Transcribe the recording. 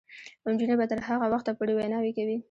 نجونې به تر هغه وخته پورې ویناوې کوي.